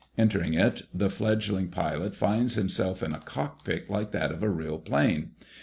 Entering it, the fledgling pilot finds himself in a cockpit like that of a real plane.